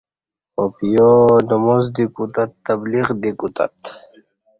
آپیا نماز دی کوتت تبلیغ دی کوتت